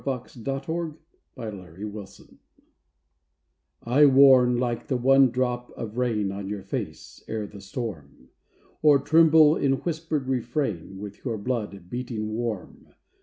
THE VOICE OF THE VOID I warn, like the one drop of rain On your face, ere the storm; Or tremble in whispered refrain With your blood, beating warm.